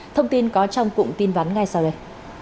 thông tin có trong cụm tin vắn ngay sau đây